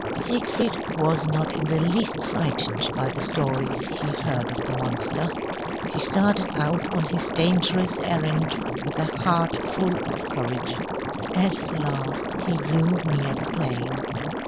Siegfried was not in the least frightened by the stories he heard of the monster. He started out on his dangerous errand with a heart full of courage. At last, he drew near the plain.